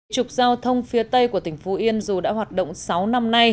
trục giao thông phía tây của tỉnh phú yên dù đã hoạt động sáu năm nay